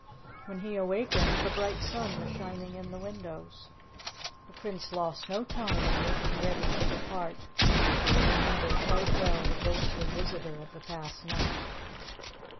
When he awakened the bright sun was shining in the windows. The Prince lost no time in making ready to depart, for he remembered quite well the ghostly visitor of the past night.